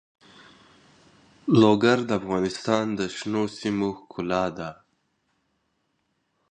لوگر د افغانستان د شنو سیمو ښکلا ده.